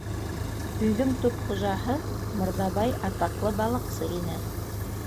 Өйҙөң төп хужаһы Мырҙабай атаҡлы балыҡсы ине.